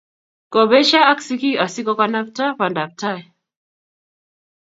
Kobesio ak sigik asikokanabta bandaptai